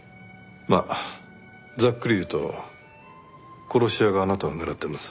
まあざっくり言うと殺し屋があなたを狙ってます。